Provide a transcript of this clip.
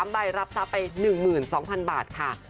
ใบรับทรัพย์ไป๑๒๐๐๐บาทค่ะ